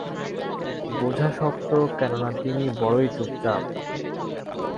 বোঝা শক্ত, কেননা তিনি বড়োই চুপচাপ।